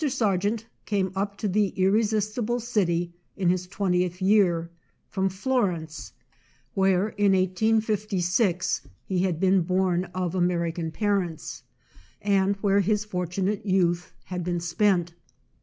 Sargent came up to the irresistible city in his twentieth year, from Florence, where in 1856 he had been 684 HARPER'S NEW MONTHLY MAGAZINE. "born of American parents, and where his fortunate youth had been spent.